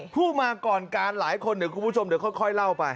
ผู้มาก่อนการหลายคนเดี๋ยวคุณผู้ชมเดี๋ยวค่อยเล่าไป